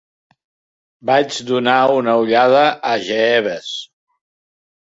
Vaig donar una ullada a Jeeves.